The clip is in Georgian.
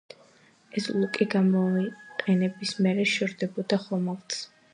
ეს ლუკი გამოყენების მერე შორდებოდა ხომალდს.